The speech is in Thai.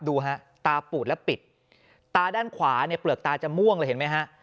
ดูฮะตาปูดและปิดตาด้านขวาเนี่ยเปลือกตาจะม่วงเลยเห็นไหมฮะ